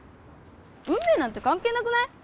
運命なんて関係なくない？